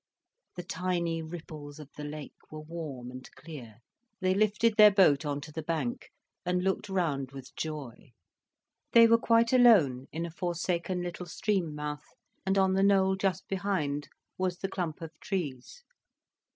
The tiny ripples of the lake were warm and clear, they lifted their boat on to the bank, and looked round with joy. They were quite alone in a forsaken little stream mouth, and on the knoll just behind was the clump of trees.